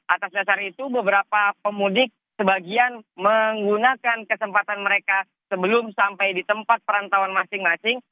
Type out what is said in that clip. atas dasar itu beberapa pemudik sebagian menggunakan kesempatan mereka sebelum sampai di tempat perantauan masing masing